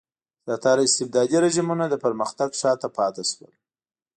زیاتره استبدادي رژیمونه له پرمختګ شاته پاتې شول.